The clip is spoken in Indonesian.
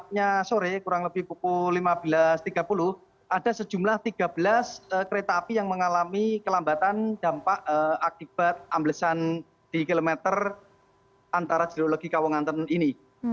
tepatnya sore kurang lebih pukul lima belas tiga puluh ada sejumlah tiga belas kereta api yang mengalami kelambatan dampak akibat amblesan di kilometer antara jerologi kawanganten ini